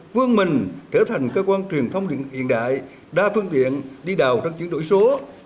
vương mình trở thành cơ quan truyền thông hiện đại đa phương viện đi đào trong chuyến đổi số